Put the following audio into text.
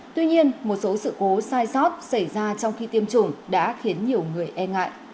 tuy nhiên một số sự cố sai sót xảy ra trong khi tiêm chủng đã khiến nhiều người e ngại